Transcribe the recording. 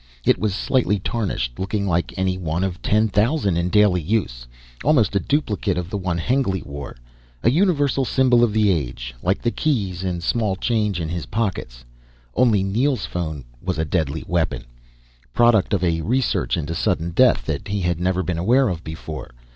It was slightly tarnished, looking like any one of ten thousand in daily use almost a duplicate of the one Hengly wore. A universal symbol of the age, like the keys and small change in his pockets. Only Neel's phone was a deadly weapon. Product of a research into sudden death that he had never been aware of before.